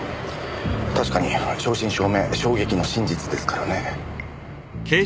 確かに正真正銘衝撃の真実ですからね。